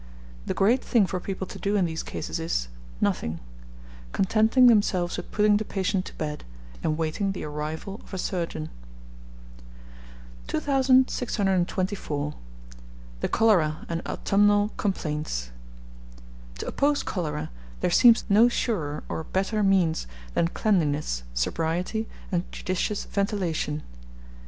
The great thing for people to do in these cases is nothing; contenting themselves with putting the patient to bed, and waiting the arrival of a surgeon. 2624. THE CHOLERA AND AUTUMNAL COMPLAINTS. To oppose cholera, there seems no surer or better means than cleanliness, sobriety, and judicious ventilation.